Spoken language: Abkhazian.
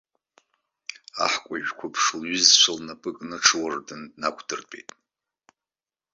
Аҳкәажә қәыԥш лҩызцәа лнапы кны аҽуардын днақәдыртәеит.